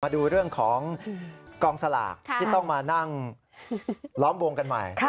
ดูเรื่องของกองสลากที่ต้องมานั่งล้อมวงกันใหม่